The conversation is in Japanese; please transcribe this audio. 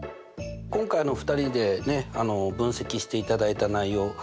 今回２人で分析していただいた内容